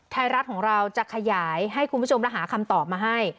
ไทยรัฐของเราจะขยายให้คุณผู้ชมและหาคำตอบมาให้